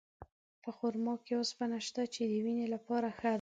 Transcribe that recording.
په خرما کې اوسپنه شته، چې د وینې لپاره ښه ده.